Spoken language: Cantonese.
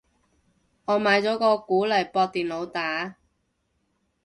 我買咗個鼓嚟駁電腦打